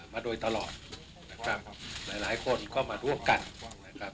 มาโดยตลอดนะครับหลายหลายคนก็มาร่วมกันนะครับ